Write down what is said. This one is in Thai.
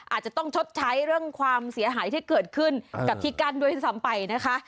อาจจะต้องชดใช้เรื่องความเสียหายที่เกิดขึ้นกับที่กั้นด้วยซ้ำไปนะคะ